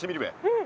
うん。